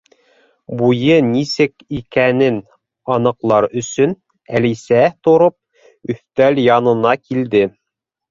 Буйы нисек икәнен аныҡлар өсөн, Әлисә, тороп, өҫтәл янына килде.